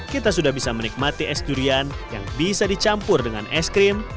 kita sudah bisa menikmati es durian yang bisa dicampur dengan es krim